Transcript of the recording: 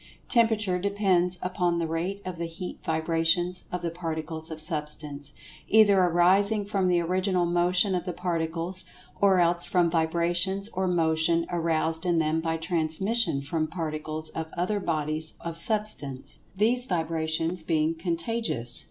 Temperature depends upon the rate of the heat vibrations of the Particles of Substance, either arising from the Original Motion of the Particles, or else from vibrations or Motion aroused in them by[Pg 122] transmission from Particles of other bodies of Substance—these vibrations being "contagious."